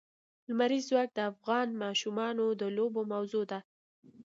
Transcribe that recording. لمریز ځواک د افغان ماشومانو د لوبو موضوع ده.